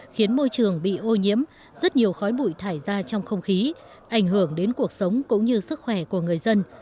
khiến môi trường bị ô nhiễm rất nhiều khói bụi thải ra trong không khí ảnh hưởng đến cuộc sống cũng như sức khỏe của người dân